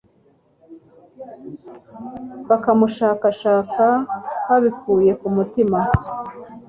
bakamushakashaka babikuye ku mutima